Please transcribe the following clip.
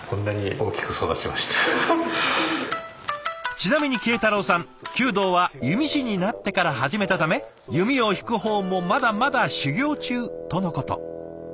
ちなみに慶太郎さん弓道は弓師になってから始めたため弓を引く方もまだまだ修行中とのこと。